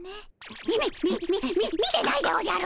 みみっみみみ見てないでおじゃる。